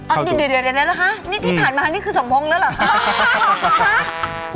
เดี๋ยวนี่ที่ผ่านมานี่คือสมพงศ์แล้วเหรอ